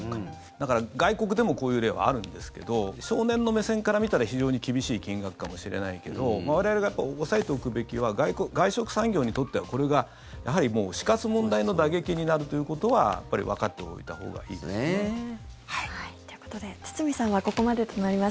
だから、外国でもこういう例はあるんですけど少年の目線から見たら非常に厳しい金額かもしれないけど我々が押さえておくべきは外食産業にとってはこれがやはり、もう死活問題の打撃になるということはわかっておいたほうがいいですね。ということで堤さんはここまでとなります。